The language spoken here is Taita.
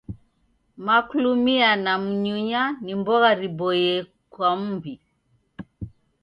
Maklumia na mnyunya ni mbogha riboie kwa m'mbi.